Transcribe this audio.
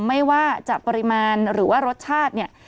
ไม่ว่าจะปริมาณหรือว่ารสชาติเนี่ย